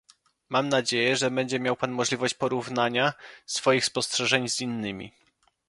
mam nadzieję, że będzie miał pan możliwość porównania swoich spostrzeżeń z innymi